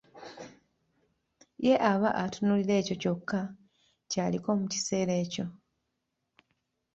Ye aba atunuulira ekyo kyokka ky'aliko mu kiseera ekyo.